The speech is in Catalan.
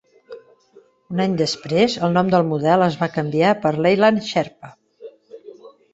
Un any després, el nom del model es va canviar per "Leyland Sherpa".